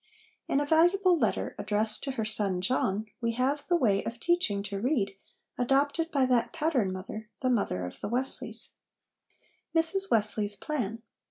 In a valuable letter, addressed to her son John, we have the way of teaching to read adopted by that pattern mother, the mother of the Wesleys : Mrs Wesley's Plan.